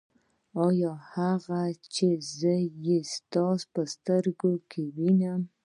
آيا هغه څه چې زه يې ستا په سترګو کې وينم.